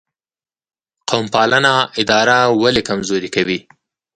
قوم پالنه اداره ولې کمزورې کوي؟